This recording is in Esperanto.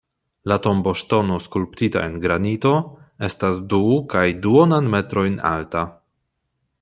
La tomboŝtono skulptita en granito estas du kaj duonan metrojn alta.